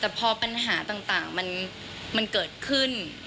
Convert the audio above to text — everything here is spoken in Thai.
แต่พอปัญหาต่างมันเกิดขึ้น